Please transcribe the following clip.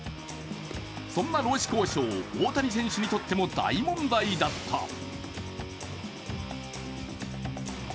そんな労使交渉、大谷選手にとっても大問題だった。